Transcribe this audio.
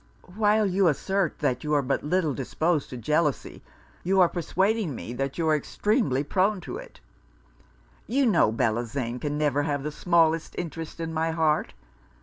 'While you assert that you are but little disposed to jealousy, you are persuading me that you are extremely prone to it. You know Bellozane can never have the smallest interest in my heart.